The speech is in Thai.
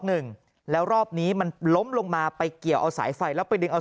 หนึ่งแล้วรอบนี้มันล้มลงมาไปเกี่ยวเอาสายไฟแล้วไปดึงเอา